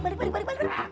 balik balik balik